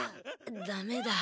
ダメだ。